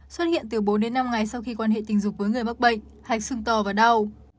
xuất hiện từ bốn đến năm ngày sau khi quan hệ tình dục với người mắc bệnh hạch sưng tò và đau